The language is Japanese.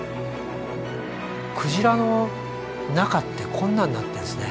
クジラの中ってこんなんなってるんですね。